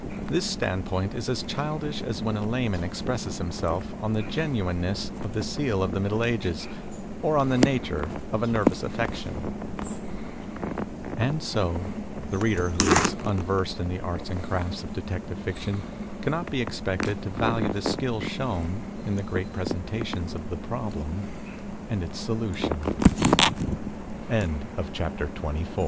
This standpoint is as childish as when a layman expresses himself on the genuineness of the seal of the middle ages or on the nature of a nervous affection." And so, the reader who is unversed in the arts and crafts of detective fiction cannot be expected to value the skill shown in the great presentati